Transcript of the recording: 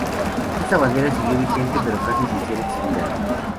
Esta bandera siguió vigente, pero casi sin ser exhibida.